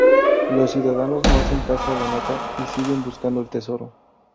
Los ciudadanos no hacen caso a la nota, y siguen buscando el tesoro.